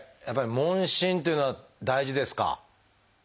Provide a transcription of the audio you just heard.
やっぱり問診っていうのは大事ですか？